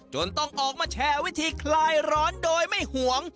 จนต้องออกมาแชร์วิธีคลายร้อนโดยไม่ห่วง